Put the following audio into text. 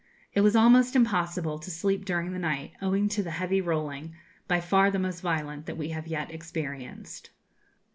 It was almost impossible to sleep during the night, owing to the heavy rolling, by far the most violent that we have yet experienced.